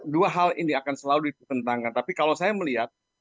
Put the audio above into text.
dua hal ini akan selalu ditentangkan tapi kalau saya melihat